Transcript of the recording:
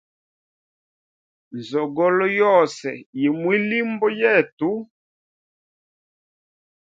Nzogolo yose yi mwilimbo yetu.